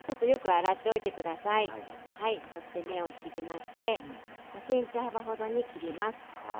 そして根を切りまして５ｃｍ幅ほどに切ります。